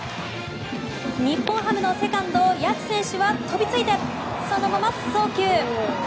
日本ハムのセカンド、谷内選手は飛びついて、そのまま送球！